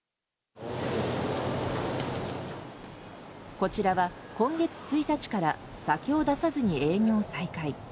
こちらは、今月１日から酒を出さずに営業再開。